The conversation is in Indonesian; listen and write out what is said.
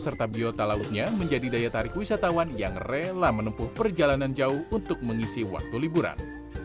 serta biota lautnya menjadi daya tarik wisatawan yang rela menempuh perjalanan jauh untuk mengisi waktu liburan